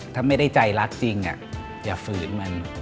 ถ้าไม่ได้ใจรักจริงอย่าฝืนมัน